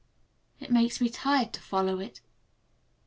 It makes me tired to follow it.